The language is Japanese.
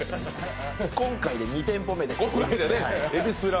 今回で２店舗目です。